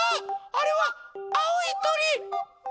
あれはあおいとり！